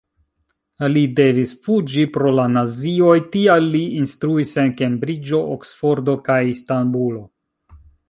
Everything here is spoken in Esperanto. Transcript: Li devis fuĝi pro la nazioj, tial li instruis en Kembriĝo, Oksfordo kaj Istanbulo.